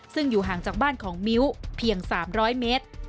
ซึ่งอยู่ห่างจากบ้านของมิ้วเพียง๓๐๐เมตร